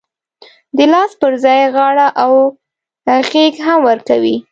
د لاس پر ځای غاړه او غېږ هم ورکوي.